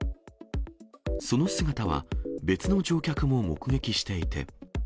その姿は、別の乗客も目撃していて。